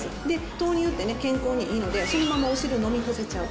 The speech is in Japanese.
豆乳ってね、健康にいいので、そのままお汁、飲み干せちゃう。